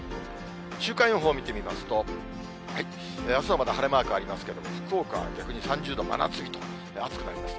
週間予報を見てみますと、あすはまだ晴れマークありますけど、福岡は逆に３０度、真夏日と、暑くなります。